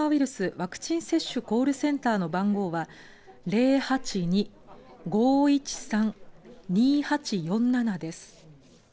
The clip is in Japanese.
ワクチン接種コールセンターの電話番号は０８２‐５１３‐２８４７です。